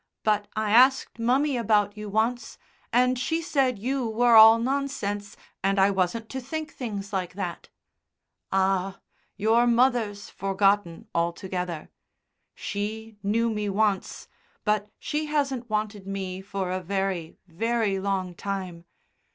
"But I asked mummy about you once, and she said you were all nonsense, and I wasn't to think things like that." "Ah! your mother's forgotten altogether. She knew me once, but she hasn't wanted me for a very, very long time.